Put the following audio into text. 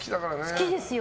好きですよ。